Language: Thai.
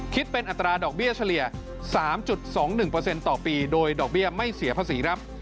คิดเป็นอัตราดอกเบี้ยเฉลี่ย๓๒๑ต่อปีโดยดอกเบี้ยไม่เสียภาษีครับ